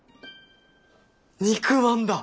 肉まんだ。